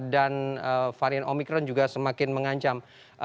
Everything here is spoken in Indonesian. dan varian omicron juga semakin mengancam